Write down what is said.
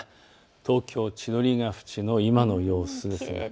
東京千鳥ケ淵の今の様子です。